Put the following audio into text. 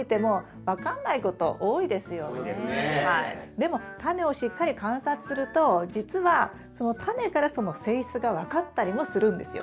でもタネをしっかり観察するとじつはそのタネからその性質が分かったりもするんですよ。